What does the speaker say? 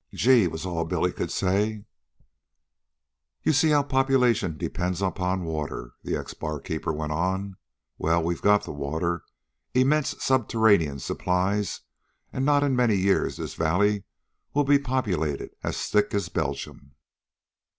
"Gee!" was all Billy could say. "You see how population depends upon water," the ex barkeeper went on. "Well, we've got the water, immense subterranean supplies, and in not many years this valley will be populated as thick as Belgium."